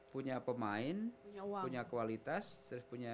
punya pemain punya uang punya kualitas punya